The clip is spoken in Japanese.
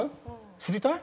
知りたい？